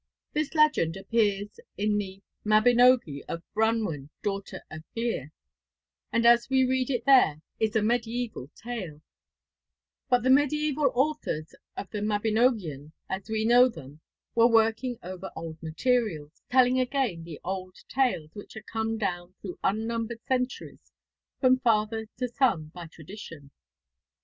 This legend appears in the Mabinogi of 'Branwen, daughter of Llyr,' and, as we read it there, is a medieval tale; but the medieval authors of the Mabinogion as we know them were working over old materials telling again the old tales which had come down through unnumbered centuries from father to son by tradition.